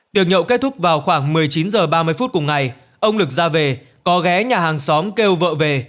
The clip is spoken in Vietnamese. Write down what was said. tiệ nhậu kết thúc vào khoảng một mươi chín h ba mươi phút cùng ngày ông lực ra về có ghé nhà hàng xóm kêu vợ về